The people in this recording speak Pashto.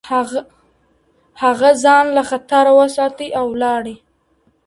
هغه ځان له خطره وساتی او ولاړی.